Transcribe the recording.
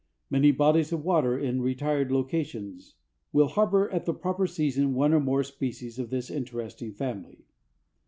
Many bodies of water in retired locations will harbor at the proper season one or more species of this interesting family.